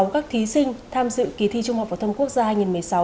các thí sinh tham dự kỳ thi trung học phổ thông quốc gia hai nghìn một mươi sáu